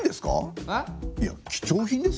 いや貴重品ですよ？